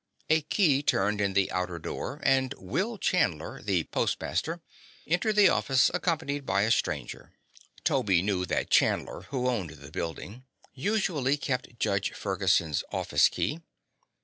A key turned in the outer door and Will Chandler, the postmaster, entered the office, accompanied by a stranger. Toby knew that Chandler, who owned the building, usually kept Judge Ferguson's office key.